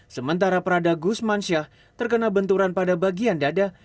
sementara prada gusmansyah terkena benturan pada bagian dada